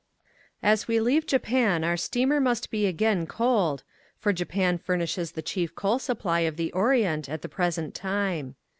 As we leave Japan our steamer must be again coaled, for Japan furnishes the chief coal supply of the orient at the present time.